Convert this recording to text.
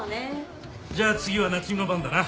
じゃあ次は夏海の番だな。